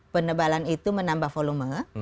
penebalan itu menambah volume